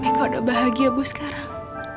eko udah bahagia bu sekarang